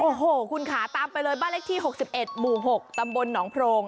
โอ้โหคุณค่ะตามไปเลยบ้านเลขที่๖๑หมู่๖ตำบลหนองโพรง